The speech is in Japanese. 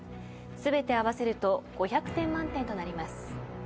全て合わせると５００点満点となります。